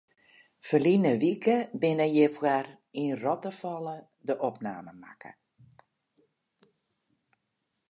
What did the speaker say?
Ferline wike binne hjirfoar yn Rottefalle de opnamen makke.